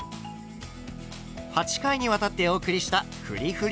８回にわたってお送りしたふりふり